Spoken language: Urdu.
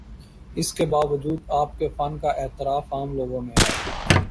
اس کے باوجود آپ کے فن کا اعتراف عام لوگوں میں ہے۔